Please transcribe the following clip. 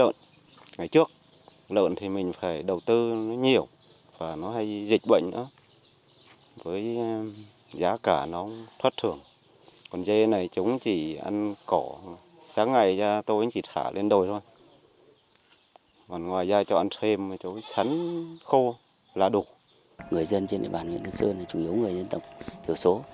người dân trên địa bàn miền tân sơn là chủ yếu người dân tộc thiểu số